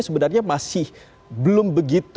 sebenarnya masih belum begitu